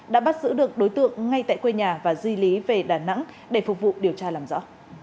đã bắt giữ được đối tượng ngay tại quê nhà và di lý về đà nẵng để phục vụ điều tra làm rõ